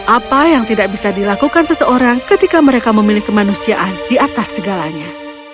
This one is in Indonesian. apa yang tidak bisa dilakukan seseorang ketika mereka memilih kemanusiaan di atas segalanya